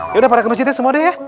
ya udah para kena cita semua udah ya